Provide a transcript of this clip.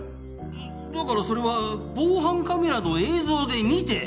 だだからそれは防犯カメラの映像で見て。